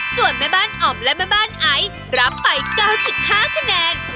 ส่วนแม่บ้านอ๋อมและแม่บ้านไอซ์รับไป๙๕คะแนน